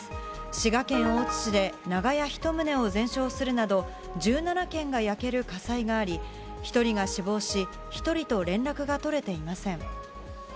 滋賀県大津市で長屋１棟を全焼するなど、１７軒が焼ける火災があり、１人が死亡し、１人と連絡が取れていません。